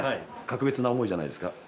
格別な思いじゃないですか？